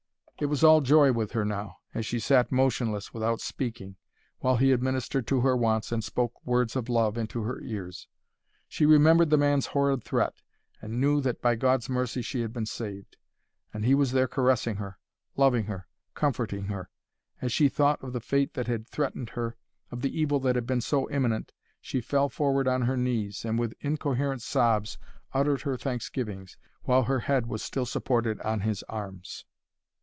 It was all joy with her now, as she sat motionless without speaking, while he administered to her wants and spoke words of love into her ears. She remembered the man's horrid threat, and knew that by God's mercy she had been saved. And he was there caressing her, loving her, comforting her! As she thought of the fate that had threatened her, of the evil that had been so imminent, she fell forward on her knees, and with incoherent sobs uttered her thanksgivings, while her head was still supported on his arms.